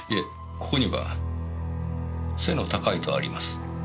ここには「背の高い」とあります。